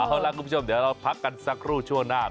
เอาล่ะคุณผู้ชมเดี๋ยวเราพักกันสักครู่ช่วงหน้า